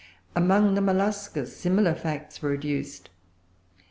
Among the Mollusca similar facts were adduced.